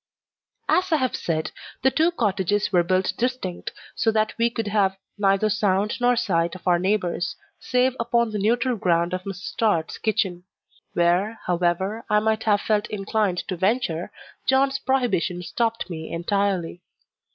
As I have said, the two cottages were built distinct, so that we could have neither sound nor sight of our neighbours, save upon the neutral ground of Mrs. Tod's kitchen; where, however I might have felt inclined to venture, John's prohibition stopped me entirely.